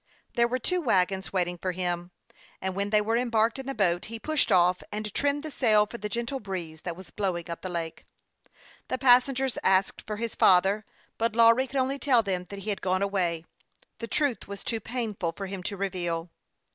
There were two wagons waiting for him ; and when they were embarked in the boat, he p. .shed p.F, and 9 98 HASTE AND WASTE, OR trimmed the sail for the gentle breeze that was blowing up the lake. The passengers asked for his father ; but Lawry could .only tell them that he had gone away : the truth was too painful for him to reveal.